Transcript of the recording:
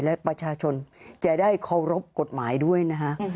และประชาชนจะได้เคารพกฎหมายด้วยนะฮะ